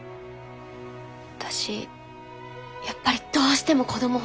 私やっぱりどうしても子ども欲しい。